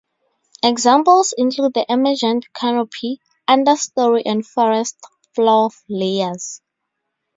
Examples include the emergent, canopy, understorey and forest floor layers.